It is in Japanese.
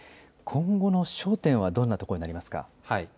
今後の焦点はどんなところにありますか。